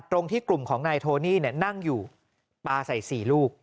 ตรงที่กลุ่มของนายโทนี่นั่งอยู่ปลาใส่๔ลูก